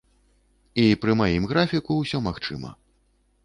І пры маім графіку ўсё магчыма.